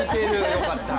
良かった。